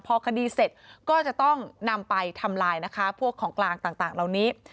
พอคดีเสร็จก็จะต้องนำไปทำลายนะคะพวกของกลางต่างเหล่านี้